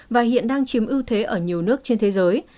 và hiện đang chiếm ưu thế ở nhiều nước trên thế giới